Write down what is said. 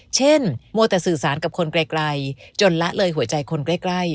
มัวแต่สื่อสารกับคนไกลจนละเลยหัวใจคนใกล้